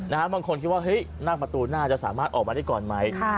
อ่านะฮะบางคนคิดว่าเฮ้ยนั่งประตูหน้าจะสามารถออกมาได้ก่อนไหมค่ะ